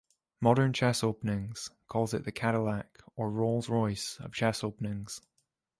"Modern Chess Openings" calls it the "Cadillac" or "Rolls Royce" of chess openings.